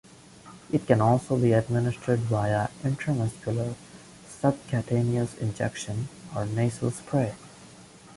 It can also be administered via intramuscular, subcutaneous injection, or nasal spray.